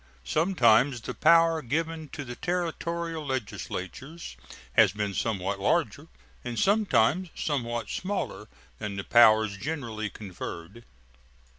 Sometimes the power given to the Territorial legislatures has been somewhat larger and sometimes somewhat smaller than the powers generally conferred.